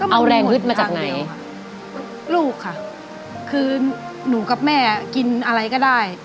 เอาแรงฮึดมาจากไหนลูกค่ะคือหนูกับแม่กินอะไรก็ได้